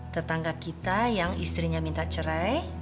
tetangga kita yang istrinya minta cerai